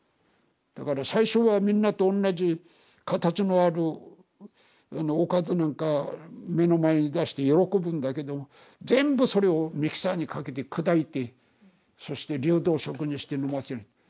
だから最初はみんなと同じ形のあるおかずなんか目の前に出して喜ぶんだけど全部それをミキサーにかけて砕いてそして流動食にして飲ませる。